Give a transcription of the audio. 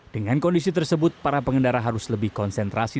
dengan kondisi tersebut para pengendara harus lebih konsentrasi